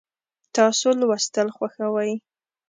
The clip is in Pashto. تاسو لوستل خوښوئ؟